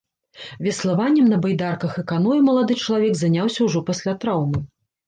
Веславаннем на байдарках і каноэ малады чалавек заняўся ўжо пасля траўмы.